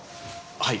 はい。